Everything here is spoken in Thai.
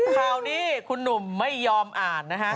คราวนี้คุณหนุ่มไม่ยอมอ่านนะฮะ